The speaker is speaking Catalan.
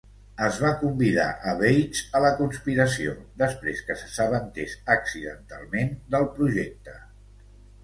Es va convidar a Bates a la conspiració després que s'assabentés accidentalment del projecte.